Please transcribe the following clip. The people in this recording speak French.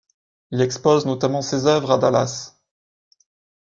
Il expose notamment ses œuvres à Dallas.